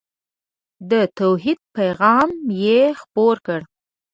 د توحید پیغام یې خپور کړ.